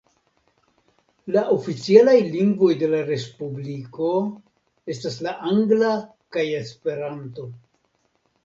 La oficialaj lingvoj de la respubliko estas la angla kaj Esperanto.